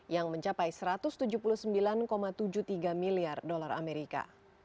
yang mencapai satu ratus tujuh puluh sembilan tujuh puluh tiga miliar dolar amerika